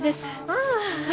ああ。